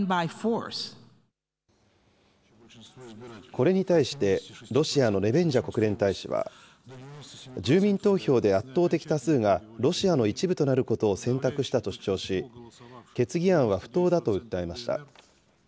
これに対してロシアのネベンジャ国連大使は、住民投票で圧倒的多数がロシアの一部となることを選択したと主張し、決議案は不当だと訴えました。